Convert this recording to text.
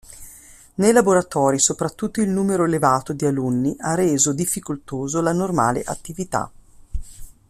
Nei laboratori soprattutto il numero elevato di alunni ha reso difficoltoso la normale attività.